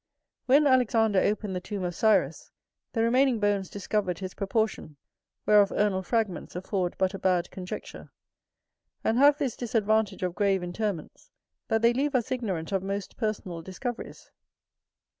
When Alexander opened the tomb of Cyrus, the remaining bones discovered his proportion, whereof urnal fragments afford but a bad conjecture, and have this disadvantage of grave interments, that they leave us ignorant of most personal discoveries.